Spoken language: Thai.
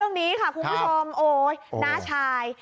เรื่องนี้ค่ะคุณผู้ชมโอ๊ยน้าชาย